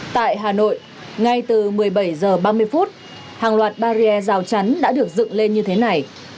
tại hà nội ngay từ một mươi bảy h ba mươi hàng loạt barrier rào chắn đã được dựng lên như thế này